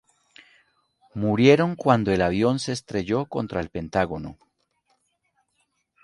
Murieron cuando el avión se estrelló contra El Pentágono.